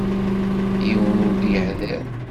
Yiwen ur d-yehdiṛ.